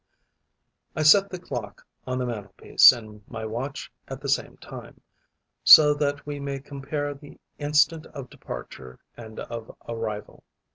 I set the clock on the mantelpiece and my watch at the same time, so that we may compare the instant of departure and of arrival.